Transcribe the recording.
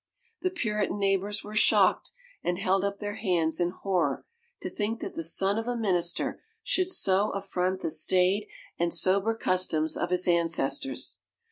The Puritan neighbors were shocked, and held up their hands in horror to think that the son of a minister should so affront the staid and sober customs of his ancestors.